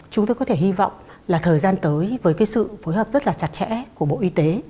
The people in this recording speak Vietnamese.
chúng tôi có thể hy vọng là thời gian tới với cái sự phối hợp rất là chặt chẽ của bộ y tế